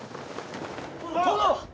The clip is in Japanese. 殿！